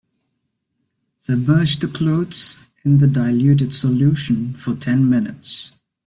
Submerge the clothes in the diluted solution for ten minutes.